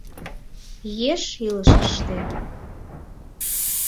— Еш илышыште.